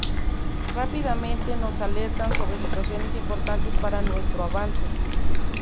Rápidamente nos alertan sobre situaciones importantes para nuestro avance.